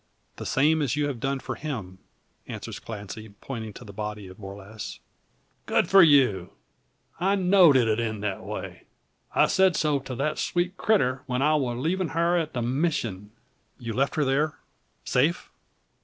"The same as you have done to him," answers Clancy, pointing to the body of Borlasse. "Good for you! I know'd it 'ud end that way. I say'd so to that sweet critter, when I war leevin' her at the Mission." "You left her there safe?"